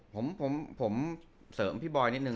ผมผมเสริมพี่บอยนิดนึ